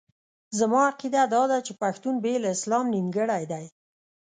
زما عقیده داده چې پښتون بې له اسلام نیمګړی دی.